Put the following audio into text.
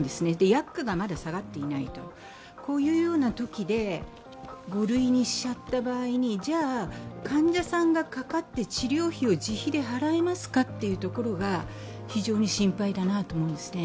薬価がまだ下がっていないというときで、５類にしちゃった場合にじゃ、患者さんがかかって治療費を自費で払えますかというところが非常に心配だなと思うんですね。